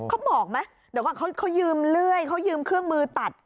เขาบอกไหมเดี๋ยวก่อนเขายืมเลื่อยเขายืมเครื่องมือตัด